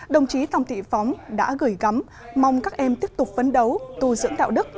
đồng chí tòng thị phóng đã gửi gắm mong các em tiếp tục vấn đấu tù dưỡng đạo đức